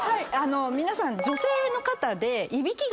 皆さん。